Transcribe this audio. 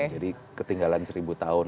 jadi ketinggalan seribu tahun